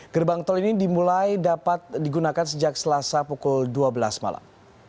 gerbang tol ini dimulai dapat digunakan sejak selasa pukul dua belas malam